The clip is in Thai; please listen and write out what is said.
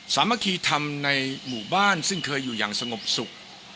สามัคคีธรรมในหมู่บ้านซึ่งเคยอยู่อย่างสงบสุข